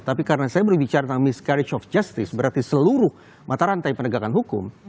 tapi karena saya berbicara tentang miscarage of justice berarti seluruh mata rantai penegakan hukum